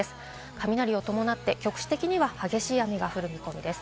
雷を伴って局地的に激しい雨が降る見込みです。